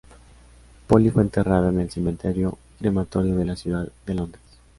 Polly fue enterrada en el Cementerio y Crematorio de la ciudad de Londres.